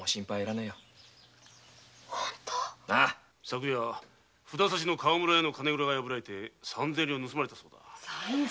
昨夜札差の川村屋の金蔵が破られ三千両盗まれたそうだ。